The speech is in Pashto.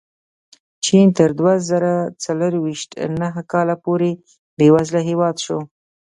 چین تر دوه زره څلوېښت نهه کاله پورې بېوزله هېواد شو.